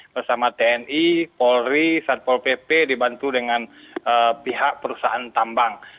bersama tni polri satpol pp dibantu dengan pihak perusahaan tambang